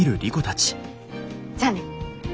じゃあね。